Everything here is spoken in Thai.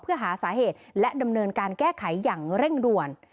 เพื่อหาสาเหตุและดำเนินการแก้ไขอย่างเร่งด่วน